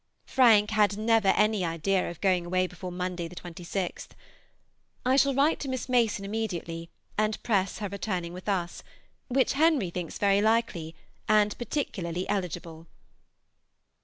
Frank had never any idea of going away before Monday, the 26th. I shall write to Miss Mason immediately, and press her returning with us, which Henry thinks very likely, and particularly eligible.